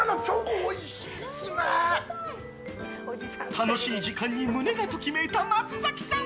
楽しい時間に胸がときめいた松崎さん！